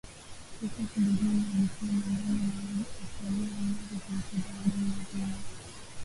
Joseph Mbilinyi alikuwa miongoni mwa wasanii wa mwanzo kurekodi albamu nzima